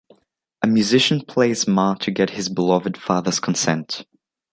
A musician plays smart to get his beloved father's consent.